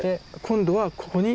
今度はここに？